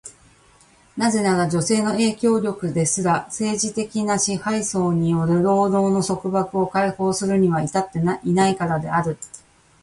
なぜなら、女性の影響力ですら、政治的な支配層による労働の束縛を解放するには至っていないからである。